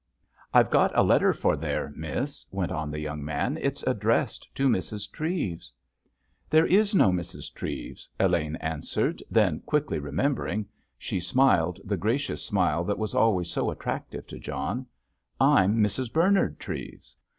"I've got a letter for there, miss," went on the young man; "it's addressed to Mrs. Treves." "There is no Mrs. Treves," Elaine answered; then quickly remembering, she smiled the gracious smile that was always so attractive to John. "I'm Mrs. Bernard Treves."